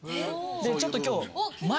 でちょっと今日。